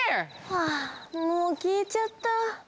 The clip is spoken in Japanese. はあもうきえちゃった。